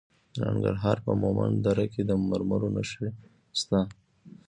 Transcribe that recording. د ننګرهار په مومند دره کې د مرمرو نښې شته.